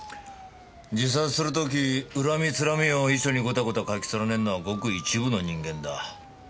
自殺する時恨み辛みを遺書にゴタゴタ書き連ねるのはごく一部の人間だ。